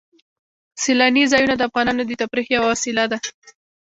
سیلانی ځایونه د افغانانو د تفریح یوه وسیله ده.